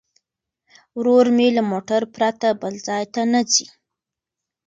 ورور مې له موټر پرته بل ځای ته نه ځي.